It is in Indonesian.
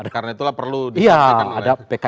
karena itulah perlu disaksikan oleh